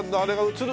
映る？